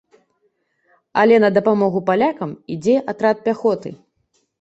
Але на дапамогу палякам ідзе атрад пяхоты.